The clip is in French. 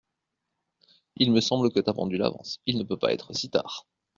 Il me semble que ta pendule avance ; il ne peut pas être si tard.